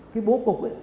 cái bố cục ấy